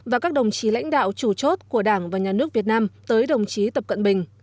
và các đồng chí lãnh đạo chủ chốt của đảng và nhà nước việt nam tới đồng chí tập cận bình